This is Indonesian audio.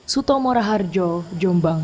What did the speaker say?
sutomora harjo jombang